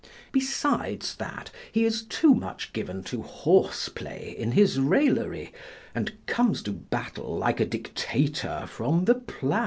Besides that, he is too much given to horseplay in his raillery, and comes to battle like a dictator from the plow.